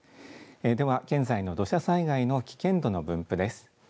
では現在の土砂災害の危険度の分布です。